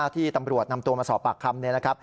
ที่ตำรวจนำตัวมาสอบปากคำ